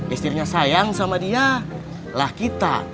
istrinya sayang sama dia lah kita